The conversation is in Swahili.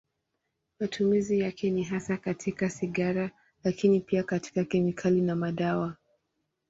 Matumizi yake ni hasa katika sigara, lakini pia katika kemikali na madawa.